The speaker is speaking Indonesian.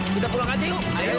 kita pulang aja yuk